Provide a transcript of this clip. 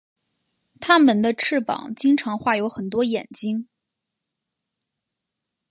他们的翅膀经常画有很多眼睛。